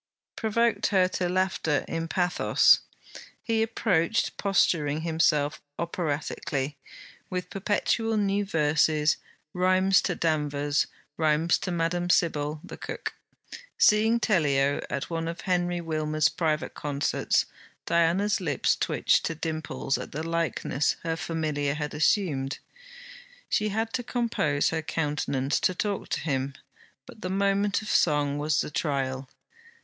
provoked her to laughter in pathos. He approached, posturing himself operatically, with perpetual new verses, rhymes to Danvers, rhymes to Madame Sybille, the cook. Seeing Tellio at one of Henry Wilmers' private concerts, Diana's lips twitched to dimples at the likeness her familiar had assumed. She had to compose her countenance to talk to him; but the moment of song was the trial.